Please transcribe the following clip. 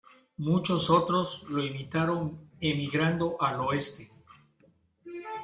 Muchos otros lo imitaron emigrando al oeste.